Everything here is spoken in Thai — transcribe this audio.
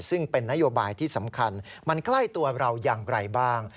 ซึ่งเป็นนโยบายที่สำคัญมันใกล้ตัวเราอย่างไรบ้าง